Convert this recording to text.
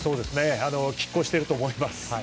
きっ抗していると思います。